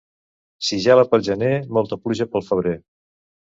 Si gela pel gener, molta pluja pel febrer.